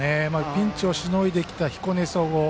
ピンチをしのいできた彦根総合。